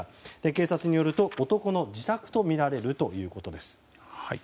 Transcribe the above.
警察によると、男の自宅とみられるということです。